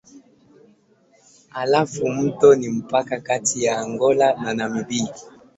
Halafu mto ni mpaka kati ya Angola na Namibia.